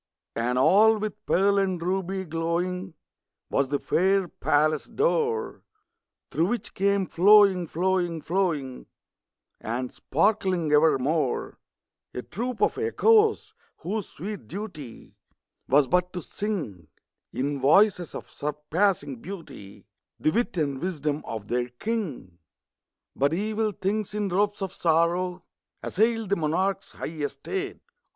And all with pearl and ruby glowing Was the fair palace door, Through which came flowing, flowing, flowing, And sparkling evermore, A troop of Echoes, whose sweet duty Was but to sing, In voices of surpassing beauty, The wit and wisdom of their king. But evil things, in robes of sorrow, Assailed the monarch's high estate.